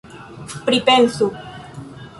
Pripensu!